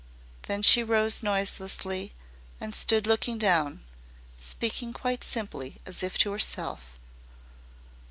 Then she rose noiselessly and stood looking down, speaking quite simply as if to herself.